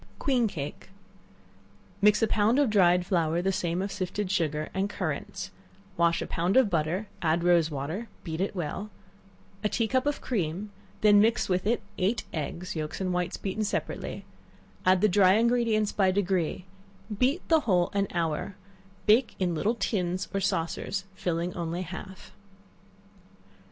Queen Cake. Mix a pound of dried flour, the same of sifted sugar, and currants; wash a pound of butter, add rose water beat it well a tea cup of cream; then mix with it eight eggs, yelks and whites beaten separately; add the dry ingredients by degrees; beat the whole an hour, bake in little tins, or saucers, filling only half.